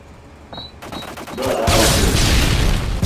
Dhoda otur